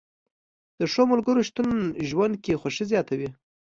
د ښو ملګرو شتون ژوند کې خوښي زیاتوي